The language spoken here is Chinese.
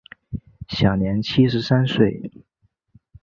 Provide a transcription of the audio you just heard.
享年七十三岁。